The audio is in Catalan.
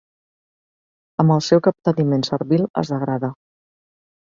Amb el seu capteniment servil es degrada.